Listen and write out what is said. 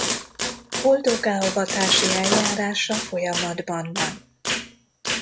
Boldoggá avatási eljárása folyamatban van.